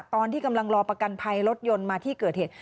ตอนที่กำลังรอประกันภัยรถยนต์มาที่เกิดเหตุ